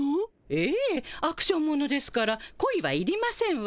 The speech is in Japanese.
ええアクションものですから恋はいりませんわ。